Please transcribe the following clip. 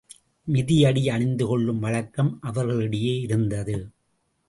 மிதியடி அணிந்துகொள்ளும் வழக்கம் அவர்களிடையே இருந்தது.